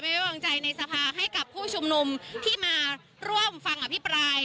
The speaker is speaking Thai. ไว้วางใจในสภาให้กับผู้ชุมนุมที่มาร่วมฟังอภิปราย